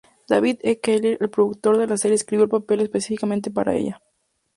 David E. Kelley, el productor de la serie escribió el papel específicamente para ella.